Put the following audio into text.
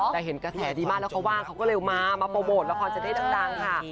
แต่เห็นกระแสดีมากแล้วเขาว่าเขาก็เลยมามาโปรโมทละครจะได้ดังค่ะ